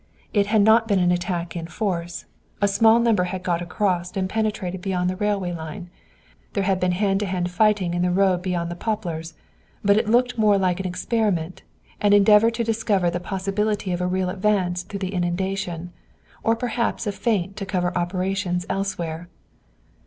It had not been an attack in force. A small number had got across and had penetrated beyond the railway line. There had been hand to hand fighting in the road beyond the poplars. But it looked more like an experiment, an endeavor to discover the possibility of a real advance through the inundation; or perhaps a feint to cover operations elsewhere.